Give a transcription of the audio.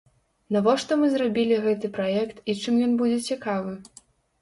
Навошта мы зрабілі гэты праект і чым ён будзе цікавы?